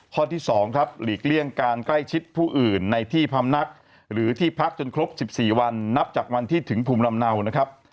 ข้อที่๒ครับหลีกเลี่ยงการใกล้ชิดผู้อื่นในที่พำนักหรือที่พักจนครบ๑๔วันนับจากวันที่ถึงภูมิลำเนานะครับ